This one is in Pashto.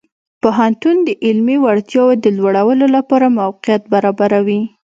پوهنتون د علمي وړتیاو د لوړولو لپاره موقعیت برابروي.